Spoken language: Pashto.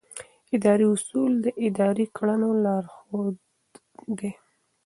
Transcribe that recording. اداري اصول د ادارې د کړنو لارښود دي.